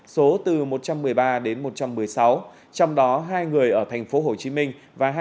số từ một trăm một mươi ba đến một trăm một mươi sáu trong đó hai người ở thành phố hồ chí minh